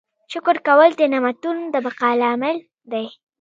شکر کول د نعمتونو د بقا لامل دی.